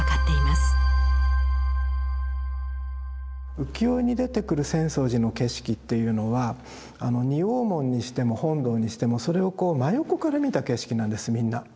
浮世絵に出てくる浅草寺の景色っていうのは仁王門にしても本堂にしてもそれをこう真横から見た景色なんですみんな。